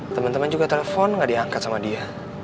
temen temen juga telpon gak diangkat sama dia